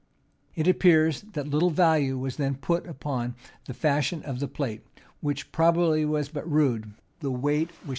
It appears that little value was then put upon the fashion of the plate, which probably was but rude: the weight was chiefly considered.